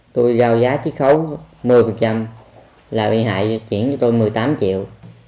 tôi giao giá chích khấu một mươi là bị hại chuyển cho tôi một mươi tám triệu